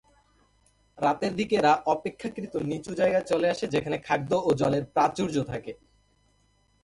রাতের দিকে এরা অপেক্ষাকৃত নিচু জায়গায় চলে আসে যেখানে খাদ্য ও জলের প্রাচুর্য থাকে।